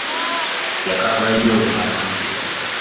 Yakaaba nnyo nga atidde.